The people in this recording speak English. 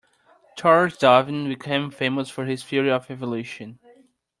Charles Darwin became famous for his theory of evolution.